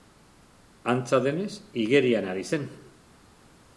Antza denez, igerian ari zen.